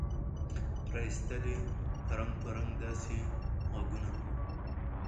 را ایستل یې رنګ په رنګ داسي ږغونه